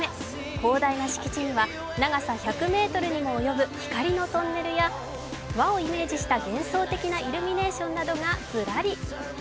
広大な敷地には長さ１００ｍにも及ぶ光のトンネルや和をイメージした幻想的なイルミネーションなどがずらり。